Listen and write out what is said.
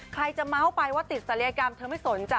ใครจะเม้าไปว่าติดศรีรายกรรมเธอไม่สนจ้ะ